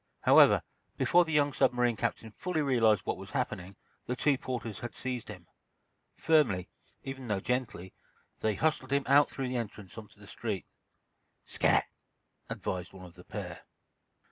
However, before the young submarine captain fully realized what was happening, the two porters had seized him. Firmly, even though gently, they hustled him out through the entrance onto the street. "Scat!" advised one of the pair.